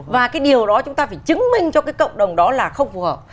và cái điều đó chúng ta phải chứng minh cho cái cộng đồng đó là không phù hợp